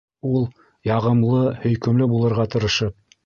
Ул, яғымлы, һөйкөмлө булырға тырышып: